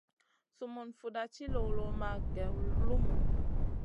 Sumun fuda ci luluna wa geyn lumu.